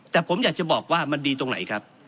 แต่ผมอยากจะบอกว่ามันดีตรงไหนครับ